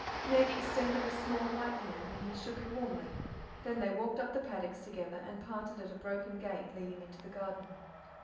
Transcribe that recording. Meg extended a small white hand, and he shook it warmly. Then they walked up the paddocks together, and parted at a broken gate leading into the garden.